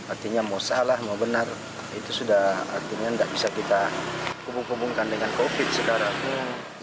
artinya mau salah mau benar itu sudah artinya tidak bisa kita hubung hubungkan dengan covid sekarang